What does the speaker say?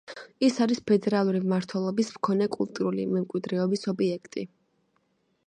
ის არის ფედერალური მნიშვნელობის მქონე კულტურული მემკვიდრეობის ობიექტი.